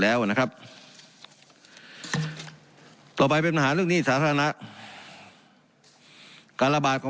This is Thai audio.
แล้วนะครับต่อไปเป็นปัญหาเรื่องหนี้สาธารณะการระบาดของ